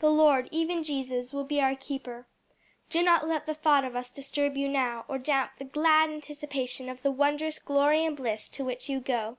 The Lord, even Jesus, will be our keeper. Do not let the thought of us disturb you now, or damp the glad anticipation of the wondrous glory and bliss to which you go.